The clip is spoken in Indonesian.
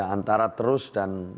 antara terus dan